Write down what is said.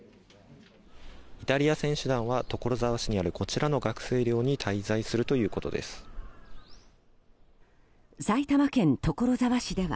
イタリア選手団は所沢市にあるこちらの学生寮に滞在するということです。